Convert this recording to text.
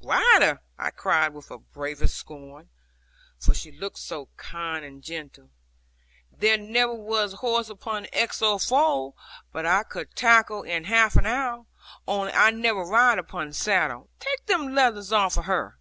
'Ride her!' I cried with the bravest scorn, for she looked so kind and gentle; 'there never was horse upon Exmoor foaled, but I could tackle in half an hour. Only I never ride upon saddle. Take them leathers off of her.'